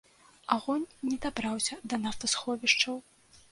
Агонь не дабраўся да нафтасховішчаў.